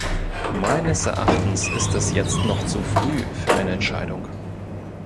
Meines Erachtens ist es jetzt noch zu früh für eine Entscheidung.